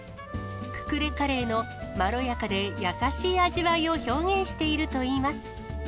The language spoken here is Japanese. ククレカレーのまろやかで優しい味わいを表現しているといいます。